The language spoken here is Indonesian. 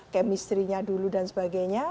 chemistry nya dulu dan sebagainya